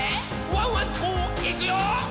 ワンワンといくよ」